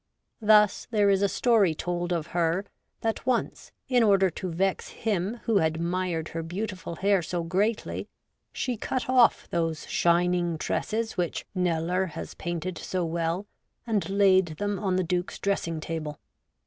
Thus there is a story told of her, that once, in order to vex him who admired her beautiful hair so greatly, she cut off those shining tresses which Kneller has painted so well and laid them on the Duke's dressing table.